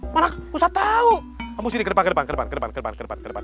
maksud tahu kamu sini ke depan depan ke depan depan ke depan depan ke depan depan